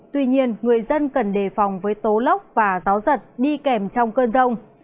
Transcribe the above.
tuy nhiên người dân cần đề phòng với tố lốc và gió giật đi kèm trong cơn rông